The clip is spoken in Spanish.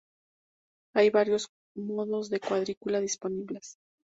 Hay varios modos de cuadrícula disponibles.